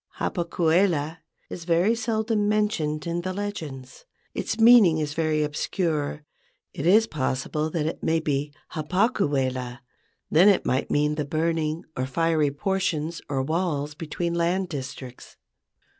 Hapa kuela is very seldom mentioned in the legends. Its meaning is very obscure. It is possible that it may be Ha paku wela. Then it might mean the burning or fiery por¬ tions or walls between land districts.